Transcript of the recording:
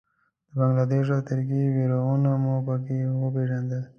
د بنګله دېش او ترکیې بېرغونه مې په کې وپېژندل.